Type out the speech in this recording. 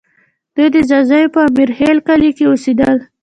دوی د ځاځیو په امیرخېل کلي کې اوسېدل